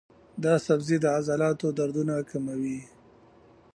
دا سبزی د عضلاتو دردونه کموي.